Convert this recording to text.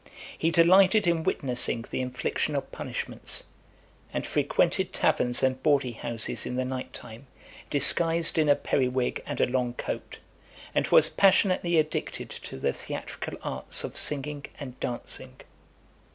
He delighted in witnessing the infliction of punishments, and frequented taverns and bawdy houses in the night time, disguised in a periwig and a long coat; and was passionately addicted to the theatrical arts of singing and dancing.